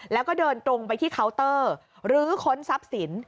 แล้วก็เดินตรงไปที่เคาน์เตอร์หรือค้นทรัพย์สิน